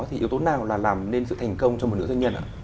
thì yếu tố nào là làm nên sự thành công cho một nữ doanh nhân ạ